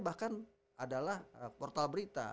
bahkan adalah portal berita